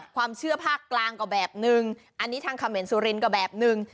ความเชื่อภาคกลางก็แบบนึงอันนี้ทางเขมรสุรินทร์ก็แบบนึง